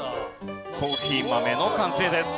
コーヒー豆の完成です。